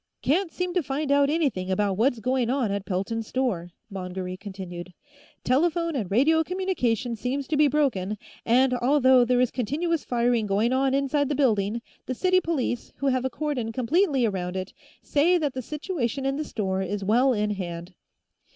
"... Can't seem to find out anything about what's going on at Pelton's store," Mongery continued. "Telephone and radio communication seems to be broken, and, although there is continuous firing going on inside the building, the city police, who have a cordon completely around it, say that the situation in the store is well in hand.